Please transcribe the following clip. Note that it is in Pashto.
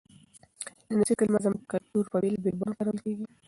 د نصیب کلمه زموږ په کلتور کې په بېلابېلو بڼو کارول کېږي.